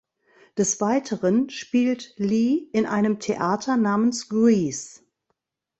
Des Weiteren spielt Lee in einem Theater namens Grease.